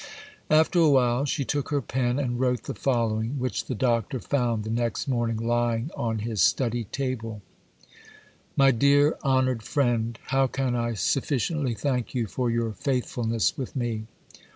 After a while, she took her pen and wrote the following, which the Doctor found the next morning lying on his study table:— 'MY DEAR, HONOURED FRIEND,—How can I sufficiently thank you for your faithfulness with me?